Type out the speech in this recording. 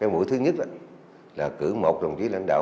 mũi thứ nhất là cử một đồng chí lãnh đạo